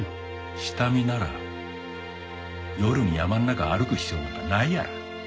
下見なら夜に山の中歩く必要なんかないやら。